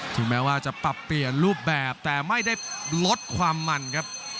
ถึงแม้ว่าจะปรับเปลี่ยนรูปแบบแต่ไม่ได้ลดความมันครับ